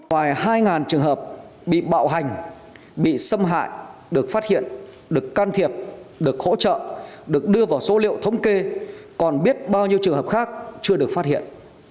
ngoài hai trường hợp bị bạo hành bị xâm hại được phát hiện được can thiệp được hỗ trợ được đưa vào số liệu thống kê còn biết bao nhiêu trường hợp khác chưa được phát hiện